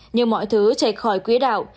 nhưng mọi thứ chạy khỏi quý đạo